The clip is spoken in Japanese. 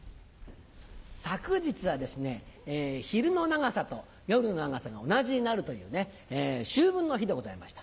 昨日はですね昼の長さと夜の長さが同じになるという秋分の日でございました。